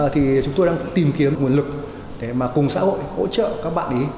thì chúng tôi đang tìm kiếm nguồn lực để mà cùng xã hội hỗ trợ các bạn ý